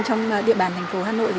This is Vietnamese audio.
trong địa bàn thành phố hà nội